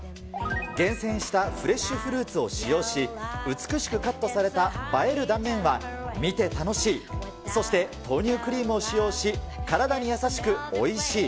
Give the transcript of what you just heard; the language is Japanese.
厳選したフレッシュフルーツを使用し、美しくカットされた映える断面は、見て楽しい、そして、豆乳クリームを使用し、体に優しく、おいしい。